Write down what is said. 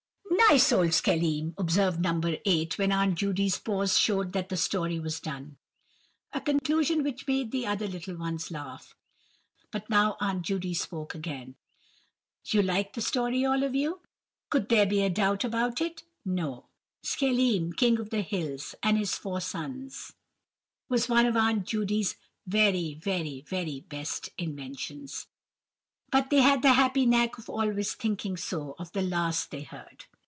"Nice old Schelim!" observed No. 8, when Aunt Judy's pause showed that the story was done. A conclusion which made the other little ones laugh; but now Aunt Judy spoke again. "You like the story, all of you?" Could there be a doubt about it? No! "Schelim, King of the Hills, and his four sons," was one of Aunt Judy's very, very, very, best inventions. But they had the happy knack of always thinking so of the last they heard.